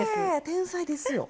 天才ですよ！